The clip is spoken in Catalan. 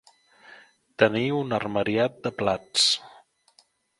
Tenir un armariat de plats.